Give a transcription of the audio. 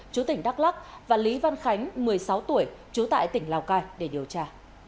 chú tỉnh đắk lắc và lý văn khánh một mươi sáu tuổi trú tại tỉnh lào cai để điều tra